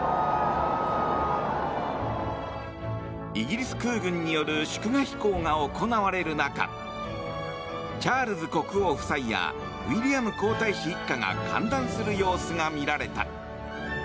イギリス空軍による祝賀飛行が行われる中チャールズ国王夫妻やウィリアム皇太子一家が歓談する様子が見られた。